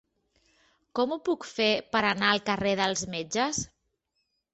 Com ho puc fer per anar al carrer dels Metges?